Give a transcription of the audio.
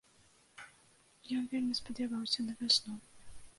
Ён вельмі спадзяваўся на вясну.